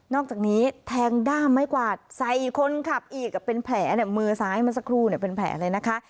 อกจากนี้แทงด้ามไม้กวาดใส่คนขับอีกเป็นแผลมือซ้ายเมื่อสักครู่เป็นแผลเลยนะคะ